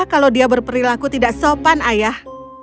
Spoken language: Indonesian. kalau dia berperilaku tidak sopan ayah